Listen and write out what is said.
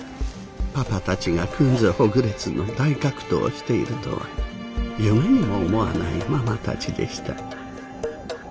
パパたちがくんずほぐれつの大格闘をしているとは夢にも思わないママたちでした。